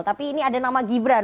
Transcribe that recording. tapi ini ada nama gibran